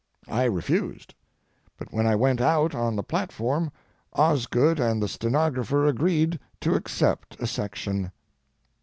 I refused, but when I went out on the platform Osgood and the stenographer agreed to accept a section.